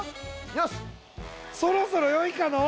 よしそろそろよいかの？